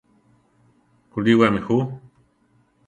¿Kulíwami ju?